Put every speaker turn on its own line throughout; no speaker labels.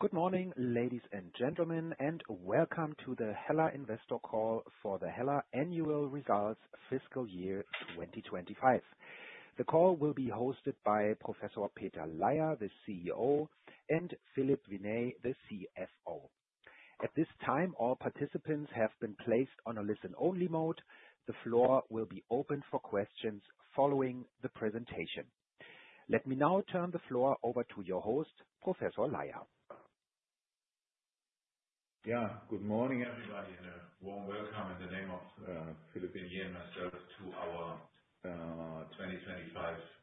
Good morning, ladies and gentlemen, and welcome to the HELLA investor call for the HELLA annual results fiscal year 2025. The call will be hosted by Professor Peter Laier, the CEO, and Philippe Vienney, the CFO. At this time, all participants have been placed on a listen-only mode. The floor will be open for questions following the presentation. Let me now turn the floor over to your host, Professor Laier.
Good morning, everybody, and a warm welcome in the name of Philippe Vienney and myself to our 2025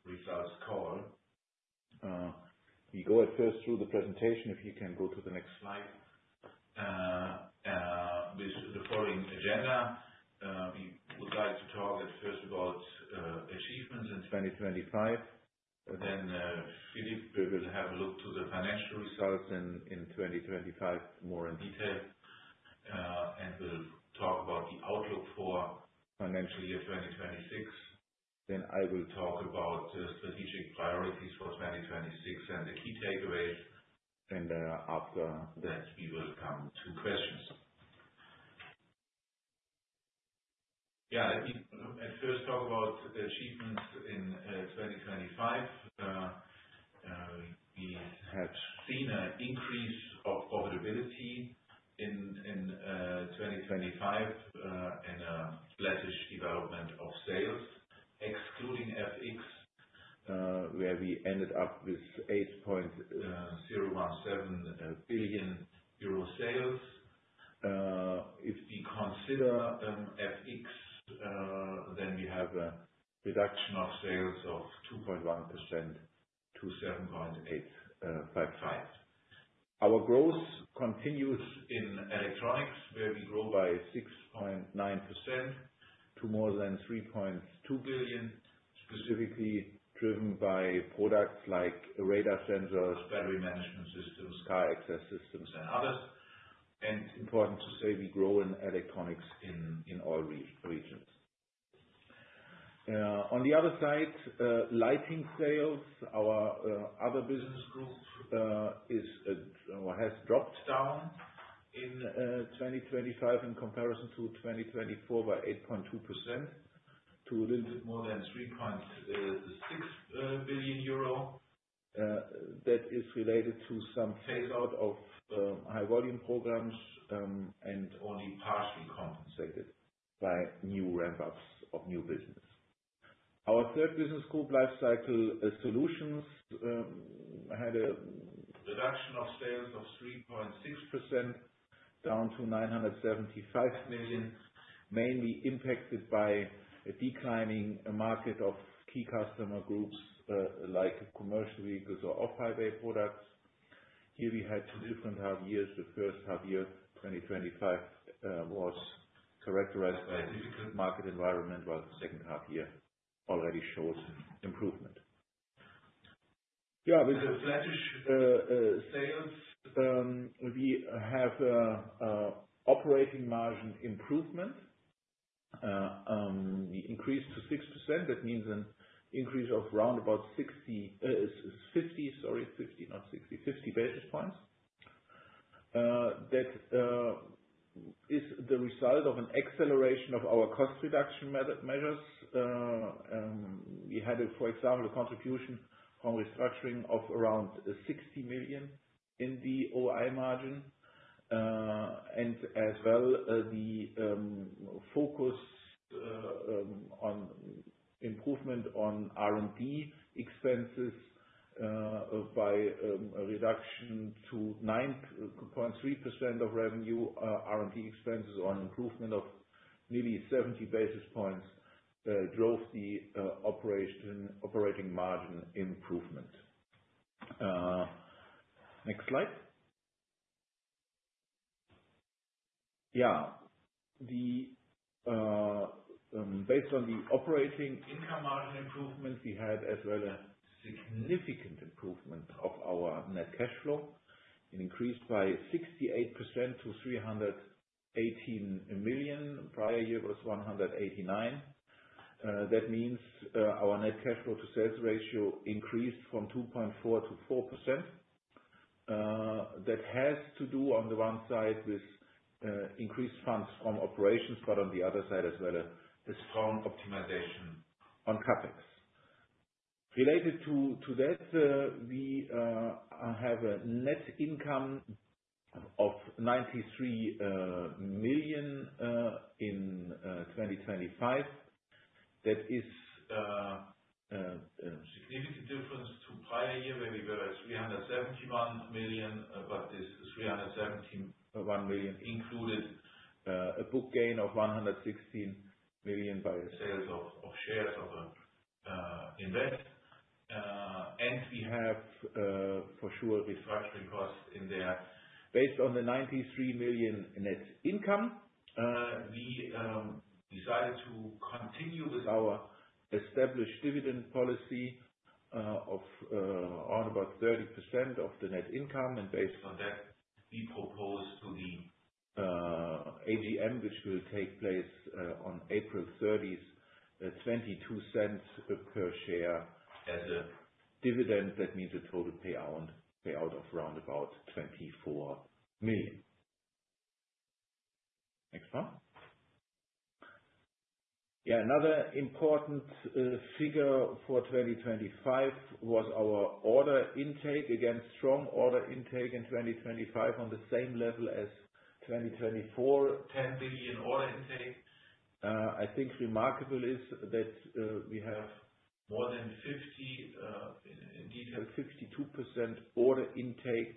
results call. We go at first through the presentation, if you can go to the next slide. With the following agenda, we would like to talk at first about achievements in 2025. Then, Philippe will have a look at the financial results in 2025 more in detail. We'll talk about the outlook for financial year 2026. I will talk about the strategic priorities for 2026 and the key takeaways. After that we will come to questions. If we at first talk about the achievements in 2025. We have seen an increase of profitability in 2025 and a flattish development of sales, excluding FX, where we ended up with 8.017 billion euro sales. If we consider FX, then we have a reduction of sales of 2.1% to 7.855 billion. Our growth continues in electronics, where we grow by 6.9% to more than 3.2 billion, specifically driven by products like radar sensors, battery management systems, Smart Car Access systems and others. Important to say, we grow in electronics in all regions. On the other side, Lighting sales, our other business group, has dropped down in 2025 in comparison to 2024 by 8.2% to a little bit more than 3.6 billion euro. That is related to some phase out of high volume programs and only partially compensated by new ramp ups of new business. Our third business group Lifecycle Solutions had a reduction of sales of 3.6% down to 975 million, mainly impacted by a declining market of key customer groups like commercial vehicles or off-highway products. Here we had two different half years. The first half year, 2025, was characterized by difficult market environment, while the second half year already shows improvement. Yeah, with the flattish sales, we have operating margin improvement. We increased to 6%. That means an increase of round about fifty basis points. That is the result of an acceleration of our cost reduction measures. We had, for example, a contribution from restructuring of around 60 million in the OI margin. And as well, the focus on improvement on R&D expenses by a reduction to 9.3% of revenue. R&D expenses on improvement of nearly seventy basis points drove the operating margin improvement. Next slide. Yeah. Based on the operating income margin improvements, we had as well a significant improvement of our net cash flow. It increased by 68% to 318 million. Prior year was 189 million. That means our net cash flow to sales ratio increased from 2.4% to 4%. That has to do on the one side with increased funds from operations, but on the other side as well a strong optimization on CapEx. Related to that, we have a net income of 93 million in 2025. That is a significant difference to prior year where we were at 371 million, but this 371 million included a book gain of 116 million by the sales of shares of invest. We have for sure restructuring costs in there. Based on the 93 million net income, we decided to continue with our established dividend policy of round about 30% of the net income. We propose to the AGM, which will take place on April 30, 0.22 per share as a dividend. That means a total payout of round about 24 million. Next one. Yeah. Another important figure for 2025 was our order intake. Again, strong order intake in 2025 on the same level as 2024, 10 billion order intake. I think remarkable is that we have more than 50%, indeed 62% order intake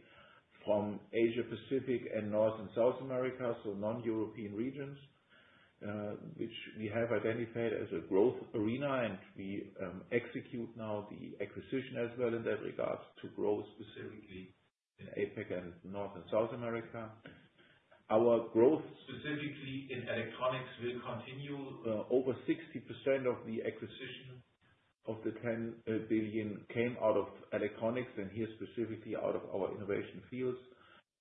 from Asia-Pacific and North and South America, so non-European regions, which we have identified as a growth arena. We execute now the acquisition as well in that regard to grow specifically in APAC and North and South America. Our growth specifically in electronics will continue. Over 60% of the acquisition of the 10 billion came out of electronics, and here, specifically out of our innovation fields,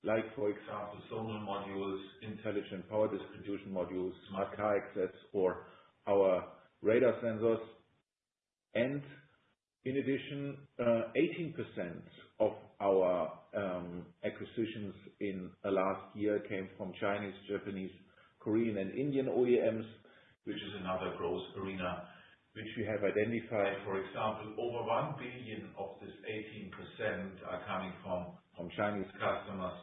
like for example, sensor modules, intelligent power distribution modules, smart car access or our radar sensors. In addition, 18% of our acquisitions in the last year came from Chinese, Japanese, Korean, and Indian OEMs, which is another growth arena which we have identified. For example, over 1 billion of this 18% are coming from Chinese customers,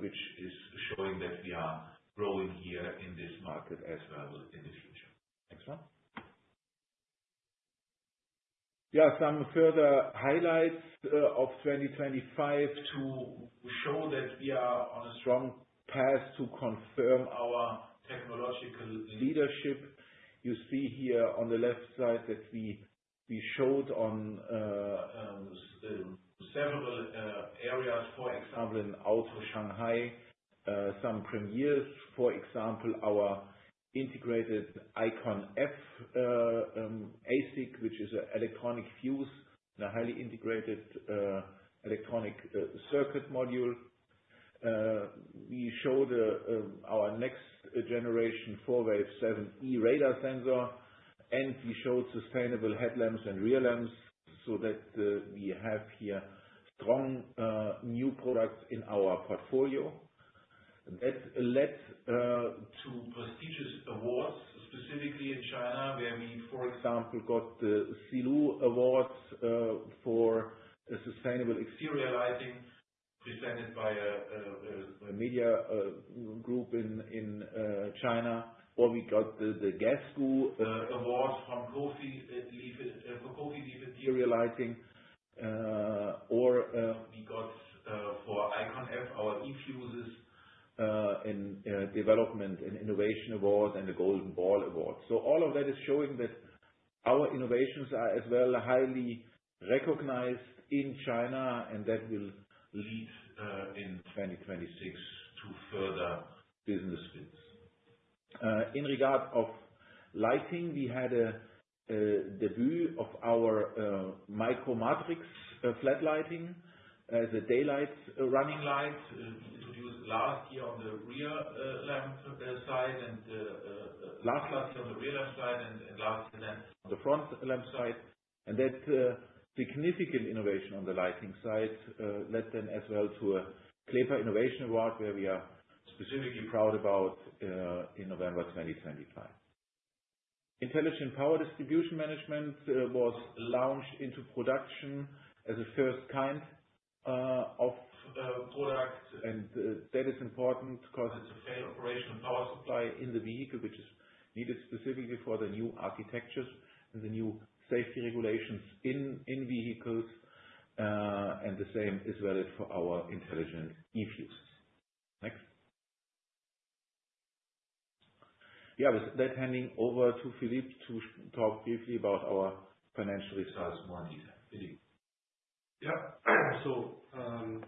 which is showing that we are growing here in this market as well in the future. Next one. Yeah. Some further highlights of 2025 to show that we are on a strong path to confirm our technological leadership. You see here on the left side that we showed in several areas, for example, in Auto Shanghai, some premieres. For example, our integrated iConF ASIC, which is an electronic fuse and a highly integrated electronic circuit module. We showed our next generation 77 GHz radar sensor, and we showed sustainable headlamps and rear lamps, so that we have here strong new products in our portfolio. That led to prestigious awards, specifically in China, where we, for example, got the Zhilu Awards for a sustainable exterior Lighting presented by a media group in China. We got the Gasgoo Award from Gasgoo for interior Lighting. We got for iConF, our eFuses, the Development and Innovation Award and the Golden Bulb Award. All of that is showing that our innovations are as well highly recognized in China, and that will lead in 2026 to further business wins. In regard of Lighting, we had a debut of our µMX flat Lighting, the daytime running lights introduced last year on the rear lamp side and then on the front lamp side. That significant innovation on the Lighting side led then as well to a CLEPA Innovation Award, where we are specifically proud about in November 2025. Intelligent power distribution management was launched into production as a first kind of product. That is important 'cause it's a fail-operational power supply in the vehicle, which is needed specifically for the new architectures and the new safety regulations in vehicles. The same is valid for our intelligent eFuses. Next. Yeah. With that, handing over to Philippe to talk briefly about our financial results more in detail. Philippe?
Yeah.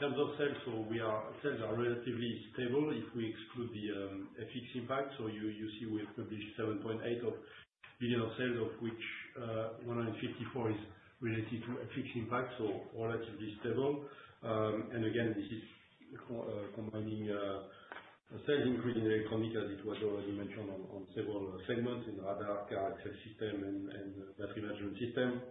In terms of sales are relatively stable if we exclude the FX impact. You see we published 7.8 billion in sales, of which 154 million is related to FX impact, relatively stable. And again, this is combining sales increase in Electronics, as it was already mentioned in several segments in radar, car access system and battery management system.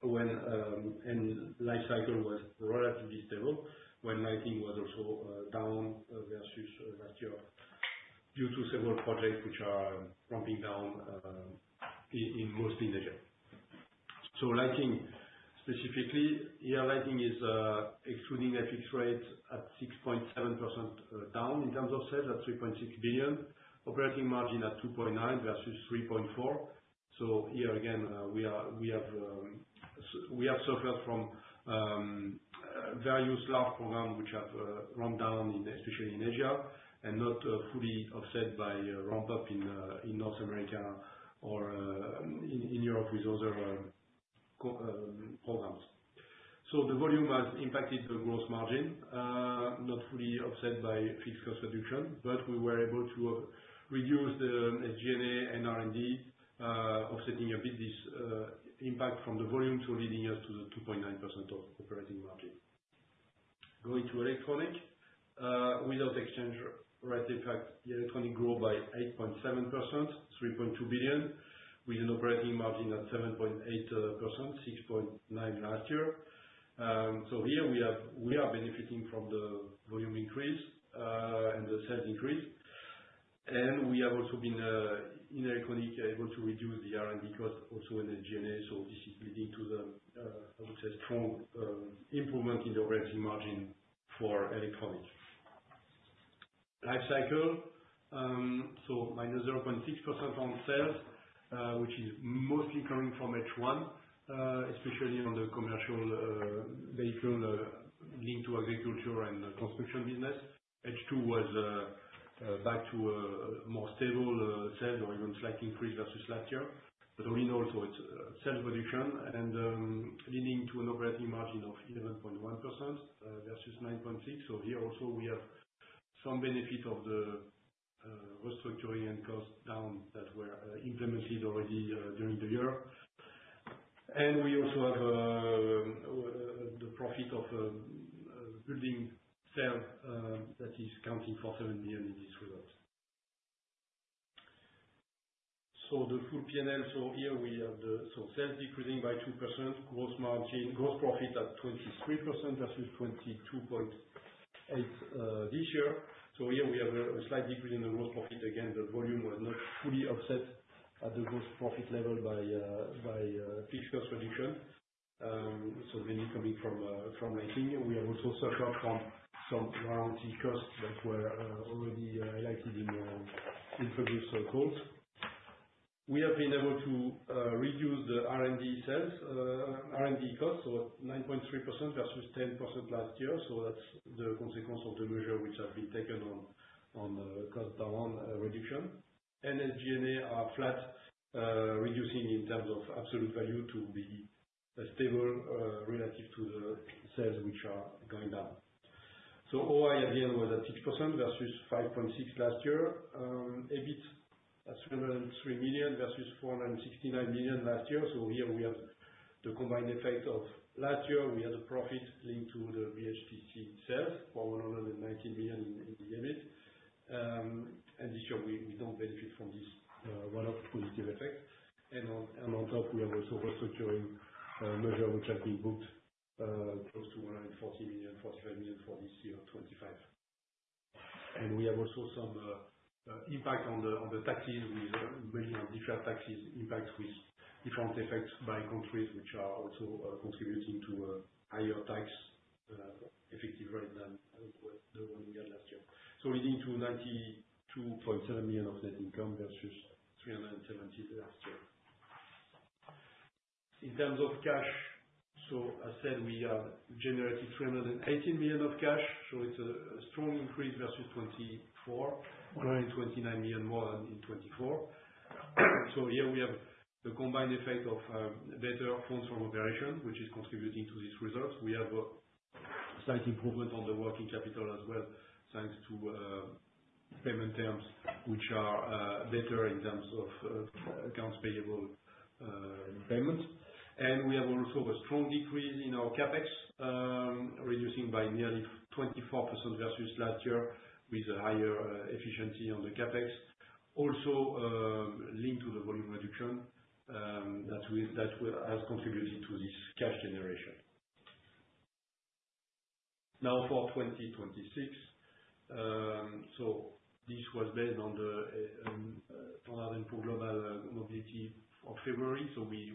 Lifecycle was relatively stable when Lighting was also down versus last year due to several projects which are ramping down in mostly Asia. Lighting specifically, Lighting is excluding FX rates at 6.7% down in terms of sales at 3.6 billion. Operating Margin at 2.9% versus 3.4%. Here again, we have suffered from various large programs which have run down, especially in Asia, and not fully offset by a ramp up in North America or in Europe with other programs. The volume has impacted the gross margin, not fully offset by fixed cost reduction, but we were able to reduce the SG&A and R&D, offsetting a bit this impact from the volume, leading us to the 2.9% operating margin. Going to Electronics, without exchange rate impact, Electronics grew by 8.7%, 3.2 billion, with an operating margin of 7.8%, 6.9% last year. Here we are benefiting from the volume increase and the sales increase. We have also been in Electronics able to reduce the R&D costs also in the G&A, so this is leading to the I would say, strong improvement in the operating margin for Electronics. Lifecycle, so -0.6% on sales, which is mostly coming from H1, especially on the commercial vehicle linked to agriculture and construction business. H2 was back to a more stable sales or even slight increase versus last year. Overall so it's sales reduction and leading to an operating margin of 11.1%, versus 9.6%. Here also we have some benefit of the restructuring and cost down that were implemented already during the year. We also have the profit of building sales that is accounting for 7 million in this result. The full P&L. Here we have sales decreasing by 2%, gross profit at 23% versus 22.8% this year. Here we have a slight decrease in the gross profit. Again, the volume was not fully offset at the gross profit level by fixed cost reduction. Mainly coming from Lighting. We have also suffered from some warranty costs that were already highlighted in our interim call. We have been able to reduce the R&D costs, so 9.3% versus 10% last year. That's the consequence of the measure which have been taken on cost down reduction. SG&A are flat, reducing in terms of absolute value to be stable, relative to the sales which are going down. OIBDA was at 6% versus 5.6% last year. EBIT at 303 million versus 469 million last year. Here we have the combined effect of last year, we had a profit linked to the VHTC sales for 190 million in EBIT. This year we don't benefit from this one-off positive effect. On top, we have also restructuring measure which have been booked close to 140 million, 45 million for this year, 25. We have also some impact on the taxes with bringing on different taxes impacts with different effects by countries which are also contributing to a higher tax effective rate than the one we had last year. Leading to 92.7 million of net income versus 370 million last year. In terms of cash, as said, we have generated 318 million of cash. It's a strong increase versus 2024. 129 million more than in 2024. Here we have the combined effect of better funds from operation, which is contributing to these results. We have a slight improvement on the working capital as well, thanks to payment terms which are better in terms of accounts payable payments. We have also a strong decrease in our CapEx, reducing by nearly 24% versus last year with a higher efficiency on the CapEx. Also linked to the volume reduction, that has contributed to this cash generation. Now for 2026. This was based on the S&P Global Mobility of February.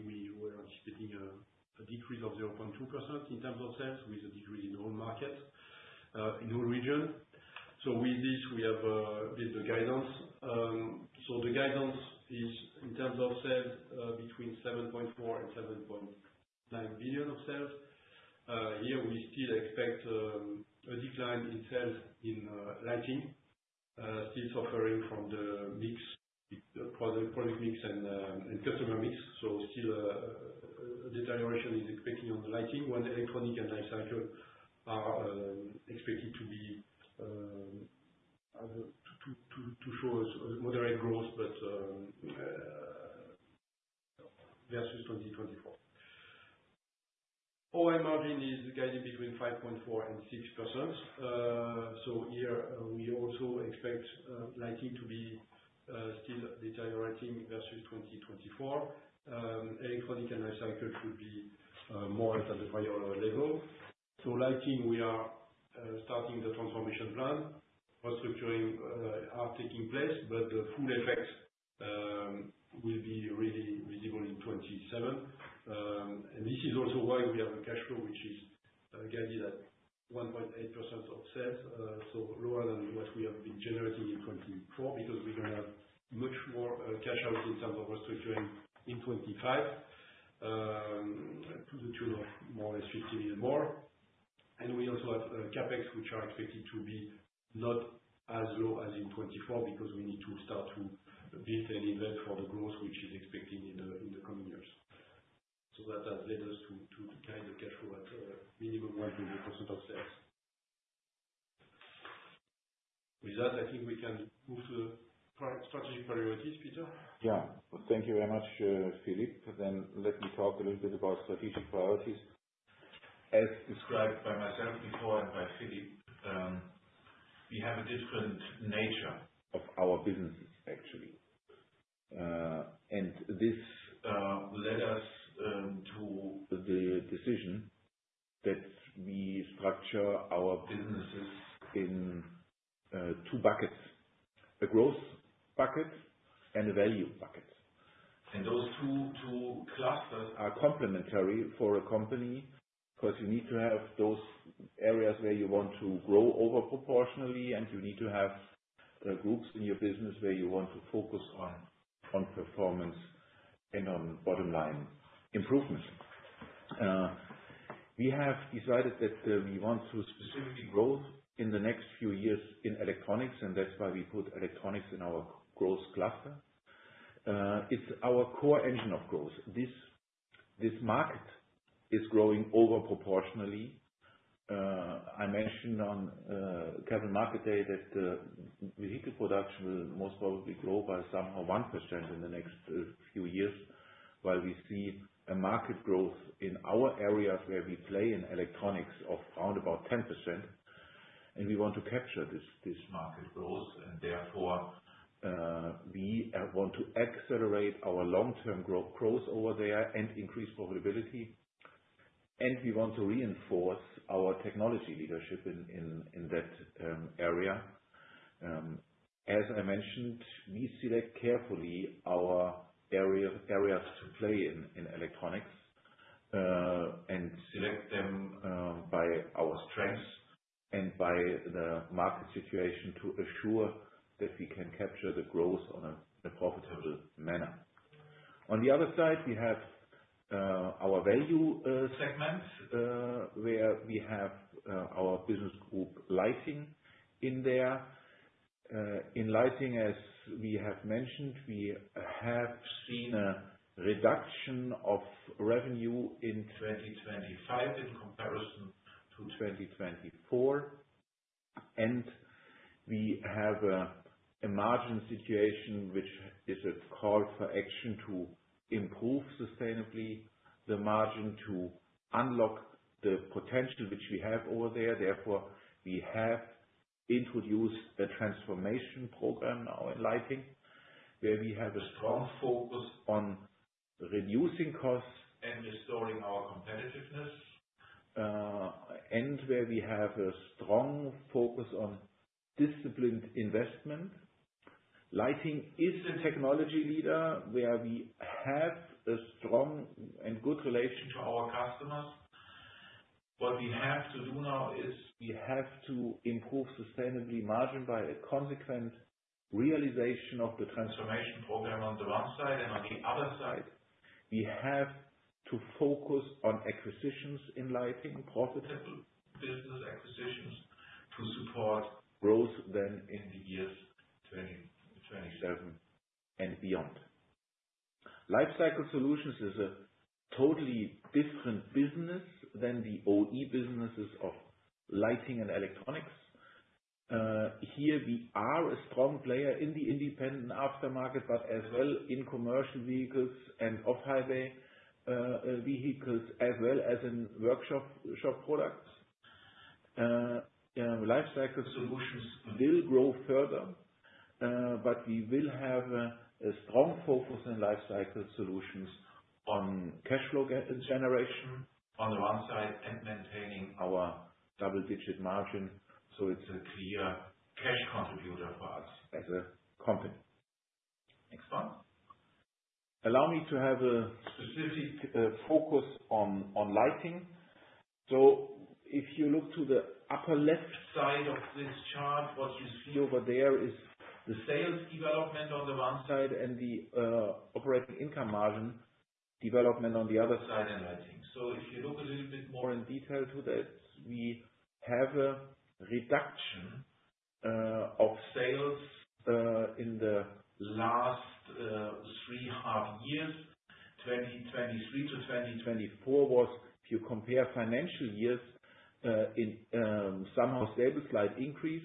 We were anticipating a decrease of 0.2% in terms of sales, with a decrease in all markets in all regions. With this we have given the guidance. The guidance is in terms of sales between 7.4 billion-7.9 billion in sales. Here we still expect a decline in sales in Lighting, still suffering from the mix, product mix and customer mix. Still, deterioration is expected on the Lighting. While Electronics and Lifecycle are expected to show moderate growth versus 2024. Operating Margin is guided between 5.4%-6%. Here we also expect Lighting to be still deteriorating versus 2024. Electronics and Lifecycle should be more at a prior level. Lighting we are starting the transformation plan. Restructuring are taking place, but the full effects will be really visible in 2027. This is also why we have a cash flow which is guided at 1.8% of sales, so lower than what we have been generating in 2024 because we're gonna have much more cash outs in terms of restructuring in 2025, to the tune of more or less 50 million more. We also have CapEx, which are expected to be not as low as in 2024 because we need to start to build and invest for the growth which is expected in the coming years. That has led us to guide the cash flow at minimum 1% of sales. With that, I think we can move to the strategic priorities, Peter.
Yeah. Thank you very much, Philippe. Let me talk a little bit about strategic priorities. As described by myself before and by Philippe, we have a different nature of our businesses actually. This led us to the decision that we structure our businesses in two buckets. A growth bucket and a value bucket. Those two clusters are complementary for a company, 'cause you need to have those areas where you want to grow over proportionally, and you need to have groups in your business where you want to focus on performance and on bottom line improvement. We have decided that we want to specifically grow in the next few years in Electronics, and that's why we put Electronics in our growth cluster. It's our core engine of growth. This market is growing over proportionally. I mentioned on Capital Markets Day that vehicle production will most probably grow by somehow 1% in the next few years, while we see a market growth in our areas where we play in electronics of around about 10% and we want to capture this market growth. Therefore, we want to accelerate our long-term growth over there and increase profitability, and we want to reinforce our technology leadership in that area. As I mentioned, we select carefully our areas to play in electronics and select them by our strengths and by the market situation to assure that we can capture the growth on a profitable manner. On the other side, we have our value segment where we have our business group Lighting in there. In Lighting, as we have mentioned, we have seen a reduction of revenue in 2025 in comparison to 2024, and we have a margin situation, which is a call for action to improve sustainably the margin to unlock the potential which we have over there. Therefore, we have introduced a transformation program now in Lighting, where we have a strong focus on reducing costs and restoring our competitiveness, and where we have a strong focus on disciplined investment. Lighting is a technology leader where we have a strong and good relation to our customers. What we have to do now is we have to improve sustainably margin by a consequent realization of the transformation program on the one side. On the other side, we have to focus on acquisitions in Lighting, profitable business acquisitions, to support growth then in the years 2027 and beyond. Lifecycle Solutions is a totally different business than the OE businesses of Lighting and electronics. Here we are a strong player in the independent aftermarket, but as well in commercial vehicles and off-highway vehicles, as well as in workshop products. Lifecycle Solutions will grow further, but we will have a strong focus in Lifecycle Solutions on cash flow generation on the one side and maintaining our double-digit margin. It's a clear cash contributor for us as a company. Next one. Allow me to have a specific focus on Lighting. If you look to the upper left side of this chart, what you see over there is the sales development on the one side and the operating income margin development on the other side in Lighting. If you look a little bit more in detail to that, we have a reduction of sales in the last three half years. 2023 to 2024 was, if you compare financial years, in somehow stable, slight increase.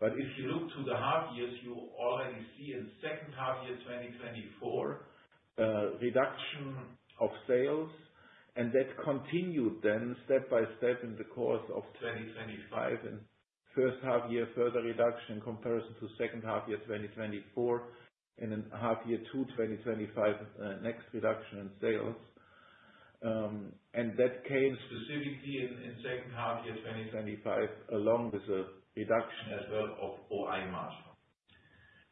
If you look to the half years, you already see in second half year, 2024, reduction of sales. That continued then step by step in the course of 2025 and first half year, further reduction in comparison to second half year, 2024. In half year two, 2025, next reduction in sales. That came specifically in second half year 2025, along with a reduction as well of OI margin.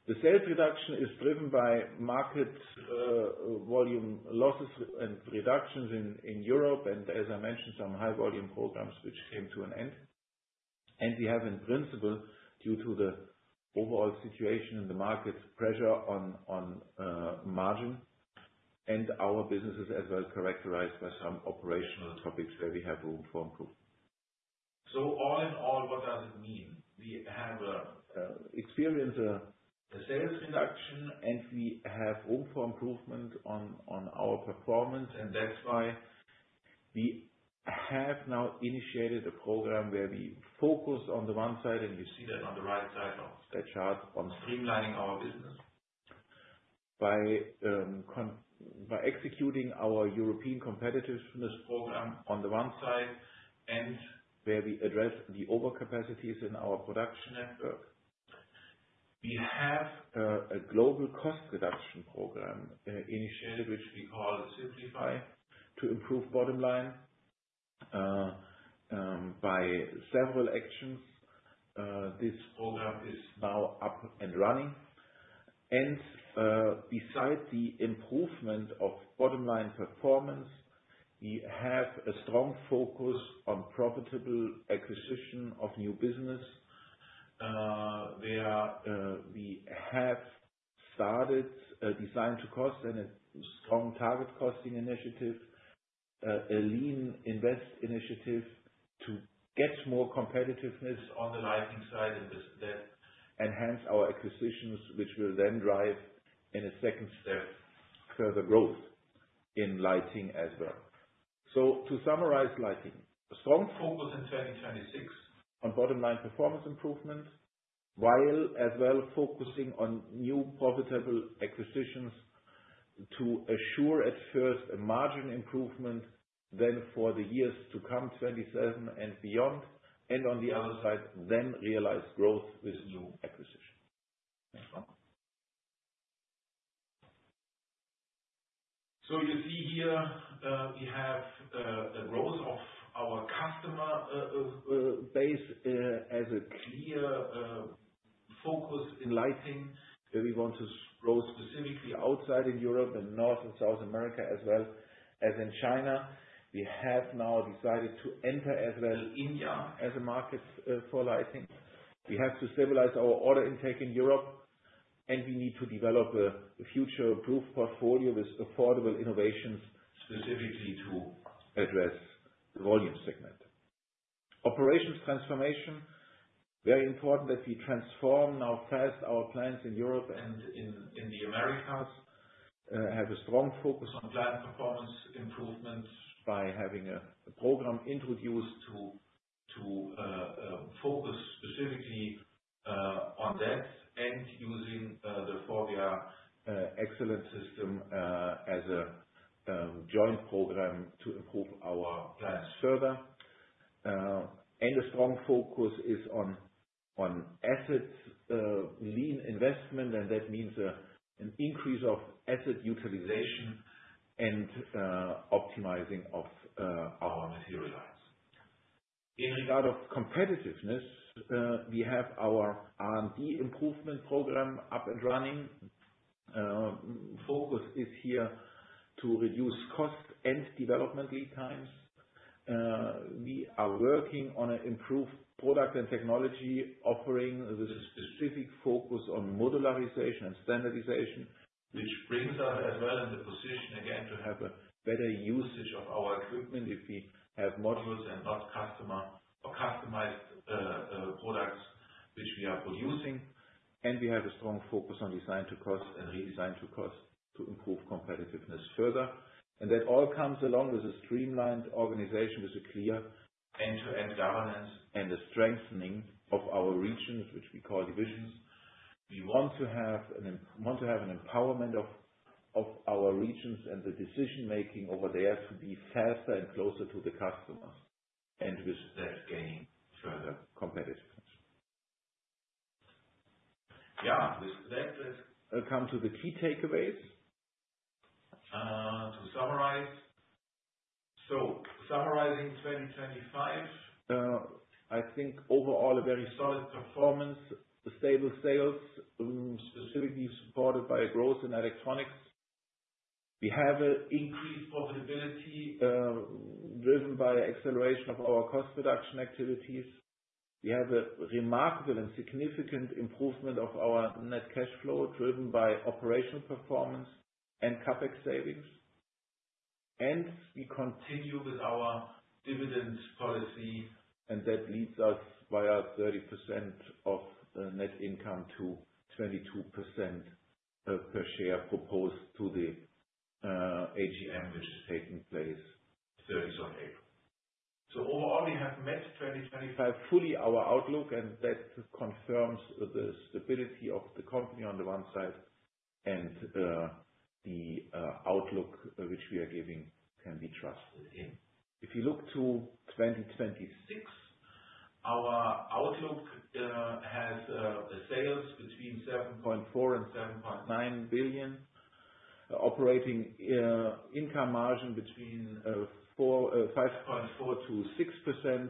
The sales reduction is driven by market volume losses and reductions in Europe, and as I mentioned, some high volume programs which came to an end. We have in principle, due to the overall situation in the market, pressure on margin and our businesses as well characterized by some operational topics where we have room for improvement. All in all, what does it mean? We have experienced a sales reduction, and we have room for improvement on our performance. That's why we have now initiated a program where we focus on the one side, and you see that on the right side of the chart, on streamlining our business. By executing our European competitiveness program on the one side, and where we address the over capacities in our production network. We have a global cost reduction program initiative, which we call Simplify, to improve bottom line by several actions. This program is now up and running. Besides the improvement of bottom line performance, we have a strong focus on profitable acquisition of new business, where we have started a Design to Cost and a strong target costing initiative, a lean invest initiative to get more competitiveness on the Lighting side and with that enhance our acquisitions, which will then drive in a second step further growth in Lighting as well. To summarize Lighting. A strong focus in 2026 on bottom line performance improvement, while as well focusing on new profitable acquisitions to assure at first a margin improvement, then for the years to come, 2027 and beyond, and on the other side then realize growth with new acquisition. Next one. You see here, we have a growth of our customer base as a clear focus in Lighting, where we want to grow specifically outside of Europe and North and South America as well as in China. We have now decided to enter as well India as a market for Lighting. We have to stabilize our order intake in Europe, and we need to develop a future-proof portfolio with affordable innovations specifically to address volume segment. Operations transformation. Very important that we transform now fast our plants in Europe and in the Americas. Have a strong focus on plant performance improvements by having a program introduced to focus specifically on that and using the FORVIA excellence system as a joint program to improve our plants further. A strong focus is on assets lean investment, and that means an increase of asset utilization and optimizing of our material lines. In regard of competitiveness, we have our R&D improvement program up and running. Focus is here to reduce costs and development lead times. We are working on an improved product and technology offering with a specific focus on modularization and standardization, which brings us as well in the position again to have a better usage of our equipment if we have modules and not customer or customized products which we are producing. We have a strong focus on Design to Cost and redesign to Cost to improve competitiveness further. That all comes along with a streamlined organization with a clear end-to-end governance and a strengthening of our regions, which we call divisions. We want to have an empowerment of our regions and the decision making over there to be faster and closer to the customers, and with that gain further competitiveness. With that, let's come to the key takeaways. To summarize. Summarizing 2025, I think overall a very solid performance, stable sales, specifically supported by growth in electronics. We have increased profitability, driven by the acceleration of our cost reduction activities. We have a remarkable and significant improvement of our net cash flow, driven by operational performance and CapEx savings. We continue with our dividend policy, and that leads us via 30% of net income to 22% per share proposed to the AGM, which is taking place thirtieth on April. Overall, we have met 2025 fully our outlook, and that confirms the stability of the company on the one side and the outlook which we are giving can be trusted in. If you look to 2026, our outlook has sales between 7.4 billion and 7.9 billion, operating income margin between 5.4% and 6%,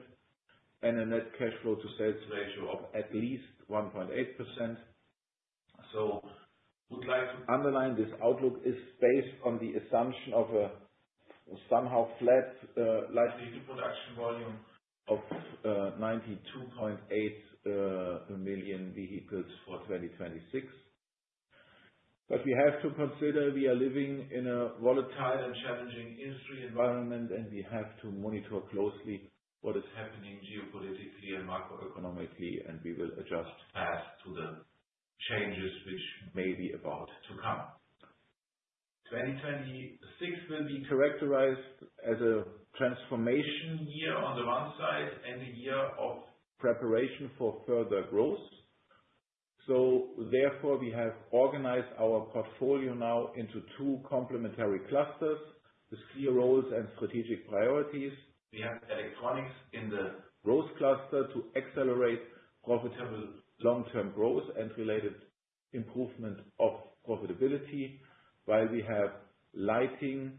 and a net cash flow to sales ratio of at least 1.8%. Would like to underline this outlook is based on the assumption of a somehow flat light vehicle production volume of 92.8 million vehicles for 2026. We have to consider we are living in a volatile and challenging industry environment, and we have to monitor closely what is happening geopolitically and macroeconomically, and we will adjust fast to the changes which may be about to come. 2026 will be characterized as a transformation year on the one side, and a year of preparation for further growth. Therefore, we have organized our portfolio now into two complementary clusters with clear roles and strategic priorities. We have Electronics in the growth cluster to accelerate profitable long-term growth and related improvement of profitability, while we have Lighting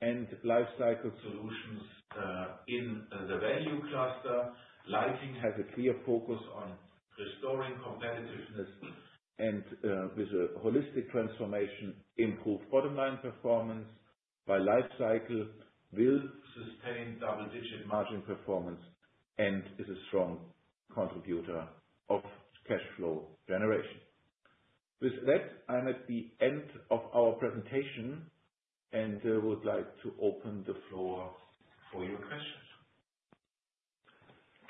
and Lifecycle Solutions in the value cluster. Lighting has a clear focus on restoring competitiveness and with a holistic transformation, improved bottom line performance, while Lifecycle Solutions will sustain double-digit margin performance and is a strong contributor of cash flow generation. With that, I'm at the end of our presentation and would like to open the floor for your questions.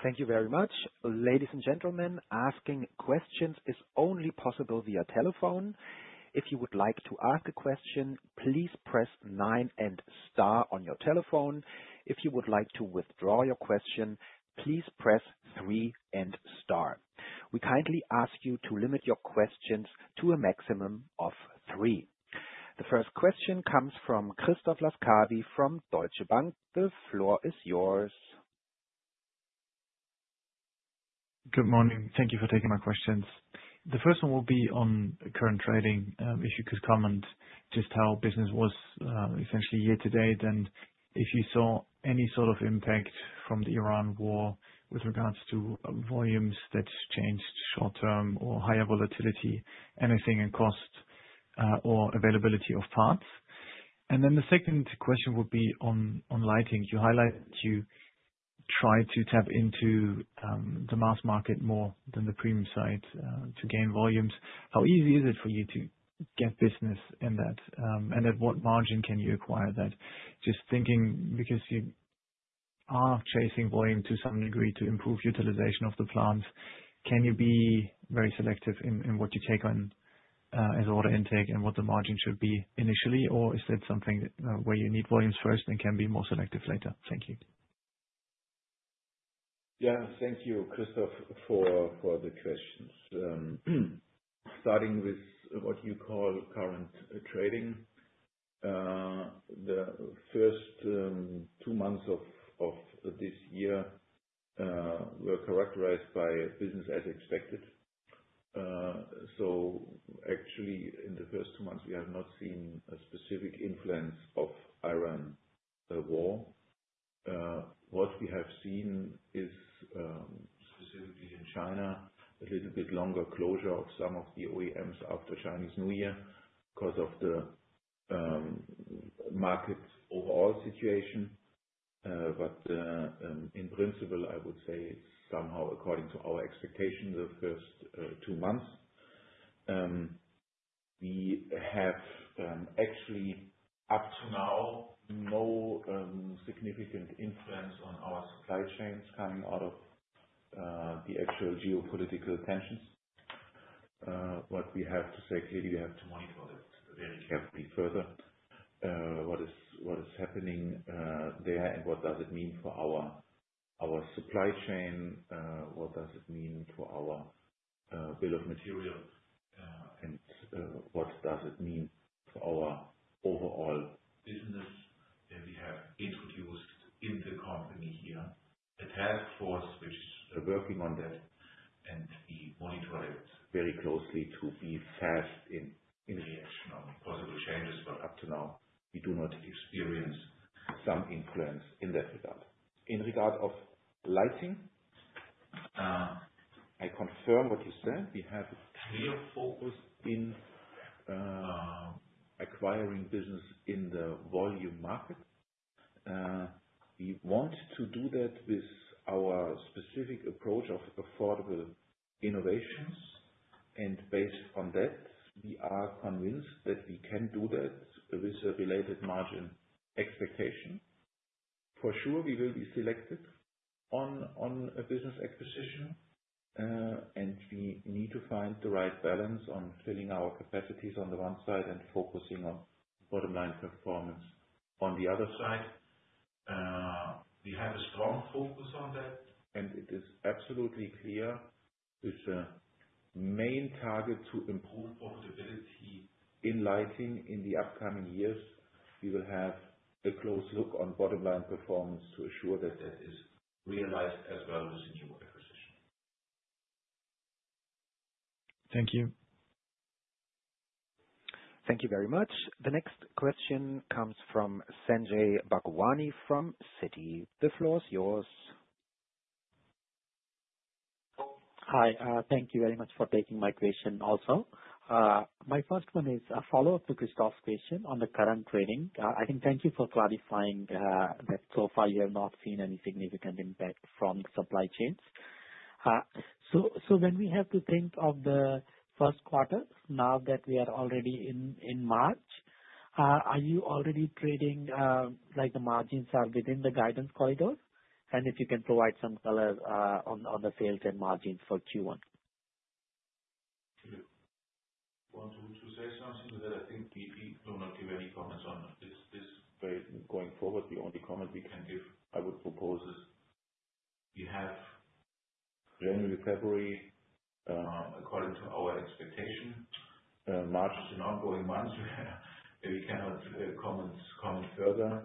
Thank you very much. Ladies and gentlemen, asking questions is only possible via telephone. If you would like to ask a question, please press nine and star on your telephone. If you would like to withdraw your question, please press three and star. We kindly ask you to limit your questions to a maximum of three. The first question comes from Christoph Laskawi from Deutsche Bank. The floor is yours.
Good morning. Thank you for taking my questions. The first one will be on current trading, if you could comment just how business was, essentially year-to-date, and if you saw any sort of impact from the Iran war with regards to volumes that's changed short-term or higher volatility, anything in cost, or availability of parts. Then the second question would be on Lighting. You highlight you try to tap into the mass market more than the premium side, to gain volumes. How easy is it for you to get business in that, and at what margin can you acquire that? Just thinking, because you are chasing volume to some degree to improve utilization of the plants, can you be very selective in what you take on, as order intake and what the margin should be initially? Is that something where you need volumes first and can be more selective later? Thank you.
Yeah, thank you, Christoph, for the questions. Starting with what you call current trading. The first two months of this year were characterized by business as expected. So actually in the first two months we have not seen a specific influence of Iran, the war. What we have seen is specifically in China, a little bit longer closure of some of the OEMs after Chinese New Year 'cause of the market overall situation. In principle, I would say it's somehow according to our expectations the first two months. We have actually up to now no significant influence on our supply chains coming out of the actual geopolitical tensions. What we have to say clearly, we have to monitor it very carefully further, what is happening there and what does it mean for our supply chain, what does it mean for our bill of materials, and what does it mean for our overall business. We have introduced in the company here a task force which are working on that, and we monitor it very closely to be fast in reaction on possible changes, but up to now, we do not experience some influence in that regard. In regard of Lighting, I confirm what you said. We have a clear focus in acquiring business in the volume market. We want to do that with our specific approach of affordable innovations, and based on that, we are convinced that we can do that with a related margin expectation. For sure, we will be selective on a business acquisition, and we need to find the right balance on filling our capacities on the one side and focusing on bottom line performance on the other side. We have a strong focus on that, and it is absolutely clear it's a main target to improve profitability in Lighting in the upcoming years. We will have a close look on bottom line performance to ensure that that is realized as well as in your acquisition.
Thank you.
Thank you very much. The next question comes from Sanjay Bhagwani from Citi. The floor is yours.
Hi, thank you very much for taking my question also. My first one is a follow-up to Christoph's question on the current trading. I think thank you for clarifying that so far you have not seen any significant impact from supply chains. When we have to think of the first quarter, now that we are already in March, are you already trading like the margins are within the guidance corridor? If you can provide some color on the sales and margin for Q1.
want to say something that I think we do not give any comments on this phase going forward. The only comment we can give, I would propose, is we have January, February, according to our expectation. March is an ongoing month. We cannot comment further.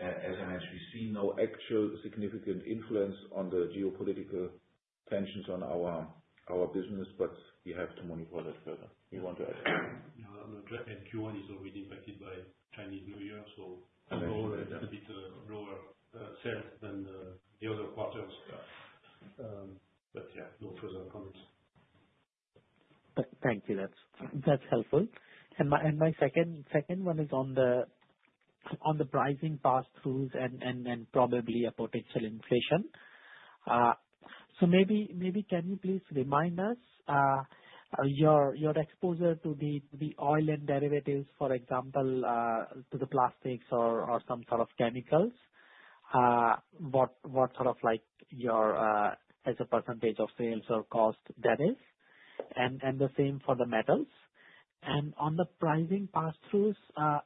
As I actually see no actual significant influence on the geopolitical tensions on our business. We have to monitor that further. We want to actually.
Yeah, Q1 is already impacted by Chinese New Year, so.
Exactly.
A little bit lower sales than the other quarters. Yeah, no further comments.
Thank you. That's helpful. My second one is on the pricing pass-throughs and probably a potential inflation. Maybe can you please remind us your exposure to the oil and derivatives, for example, to the plastics or some sort of chemicals. What sort of like your as a percentage of sales or cost that is, and the same for the metals. On the pricing pass-throughs, I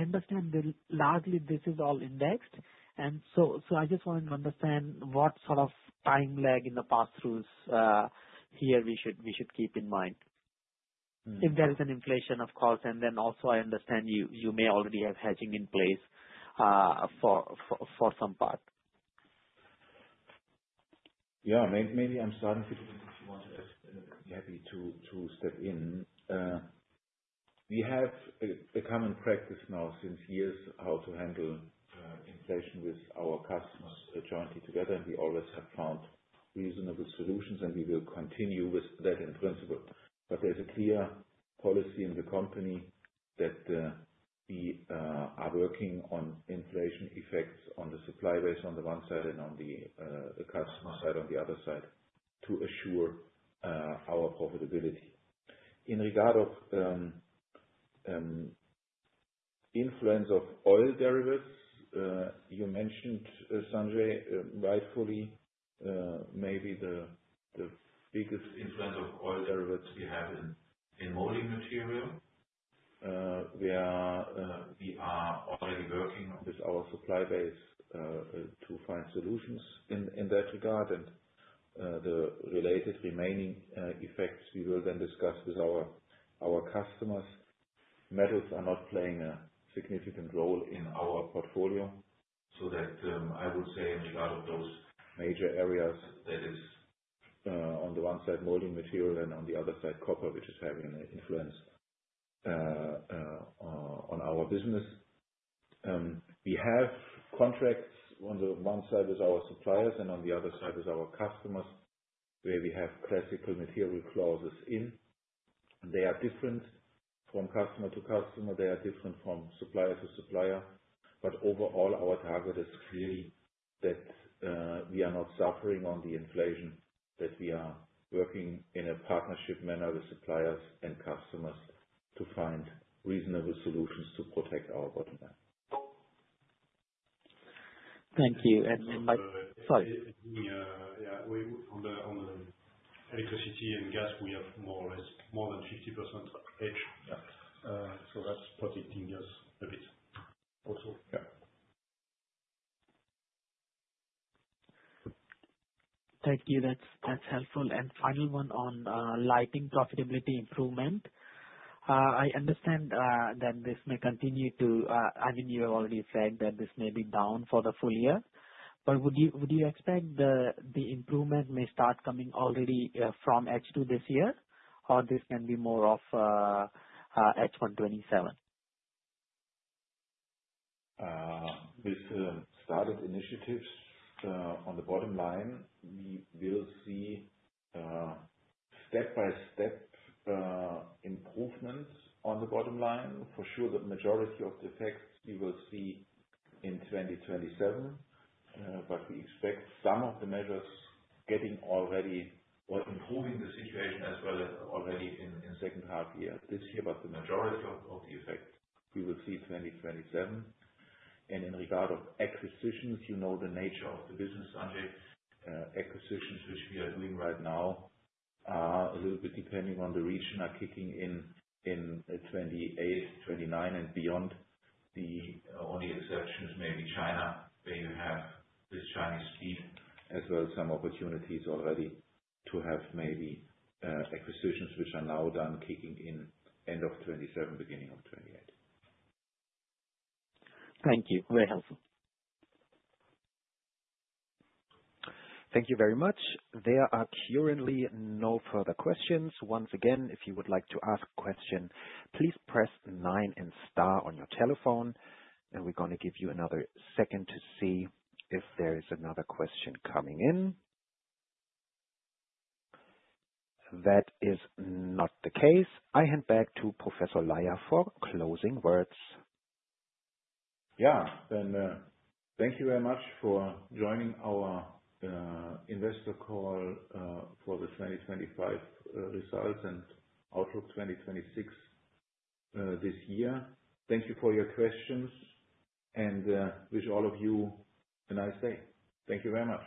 understand that largely this is all indexed. I just want to understand what sort of time lag in the pass-throughs here we should keep in mind.
Mm.
If there is an inflation of costs and then also I understand you may already have hedging in place for some part.
Yeah. Maybe I'm starting, if you want to add, be happy to step in. We have a common practice now since years how to handle inflation with our customers jointly together. We always have found reasonable solutions, and we will continue with that in principle. There's a clear policy in the company that we are working on inflation effects on the supply base on the one side and on the customer side on the other side to assure our profitability. In regard to influence of oil derivatives, you mentioned, Sanjay, rightfully, maybe the biggest influence of oil derivatives we have in molding material. We are already working with our supply base to find solutions in that regard. The related remaining effects we will then discuss with our customers. Metals are not playing a significant role in our portfolio. I would say in regard of those major areas, that is, on the one side molding material and on the other side copper, which is having an influence on our business. We have contracts on the one side with our suppliers and on the other side with our customers, where we have classical material clauses in. They are different from customer to customer. They are different from supplier to supplier. Overall, our target is clearly that we are not suffering from the inflation, that we are working in a partnership manner with suppliers and customers to find reasonable solutions to protect our bottom line.
Thank you.
Uh-
Sorry.
Yeah. On the electricity and gas, we have more or less, more than 50% each.
Yeah.
That's protecting us a bit also.
Yeah.
Thank you. That's helpful. Final one on Lighting profitability improvement. I understand that this may continue to. I mean, you have already said that this may be down for the full year. Would you expect the improvement may start coming already from H2 this year or this can be more of H1 2027?
With the start of initiatives on the bottom line, we will see step-by-step improvements on the bottom line. For sure, the majority of the effects we will see in 2027. We expect some of the measures getting already or improving the situation as well as already in second half year, this year. The majority of the effect we will see in 2027. In regard of acquisitions, you know the nature of the business, Sanjay. Acquisitions which we are doing right now are a little bit depending on the region are kicking in in 2028, 2029 and beyond. The only exceptions may be China, where you have the Chinese New Year as well as some opportunities already to have maybe acquisitions which are now done kicking in end of 2027, beginning of 2028.
Thank you. Very helpful.
Thank you very much. There are currently no further questions. Once again, if you would like to ask a question, please press nine and star on your telephone. We're gonna give you another second to see if there is another question coming in. That is not the case. I hand back to Professor Peter Laier for closing words.
Thank you very much for joining our investor call for the 2025 results and outlook 2026 this year. Thank you for your questions and wish all of you a nice day. Thank you very much.